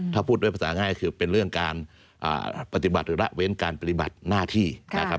ถ้าพูดด้วยภาษาง่ายคือเป็นเรื่องการปฏิบัติหรือระเว้นการปฏิบัติหน้าที่นะครับ